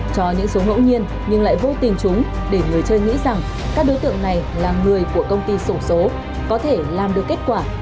cho những số ngẫu nhiên nhưng lại vô tình chúng để người chơi nghĩ rằng các đối tượng này là người của công ty sổ số có thể làm được kết quả